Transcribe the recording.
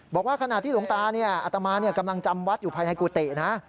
บอกว่าขณะที่หลวงตาอัตมากำลังจำวัดอยู่ภายในกุฏินะ